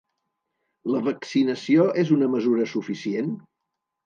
La vaccinació és una mesura suficient?